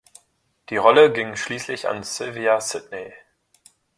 Die Rolle ging schließlich an Sylvia Sidney.